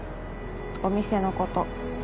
お店のこと。